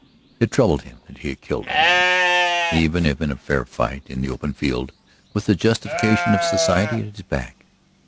It troubled him that he had killed a man, even in a fair fight in the open field with the justification of society at his back.